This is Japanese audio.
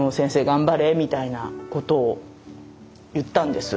頑張れみたいなことを言ったんです。